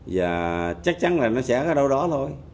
và chắc chắn là nó sẽ ở đâu đó thôi